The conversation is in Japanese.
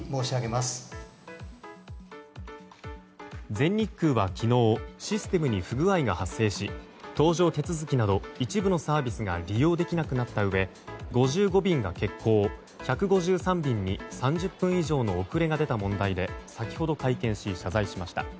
全日空は昨日システムに不具合が発生し搭乗手続きなど一部のサービスが利用できなくなったうえ５５便が欠航、１５３便に３０分以上の遅れが出た問題で先ほど会見し謝罪しました。